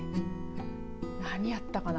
何やったかな。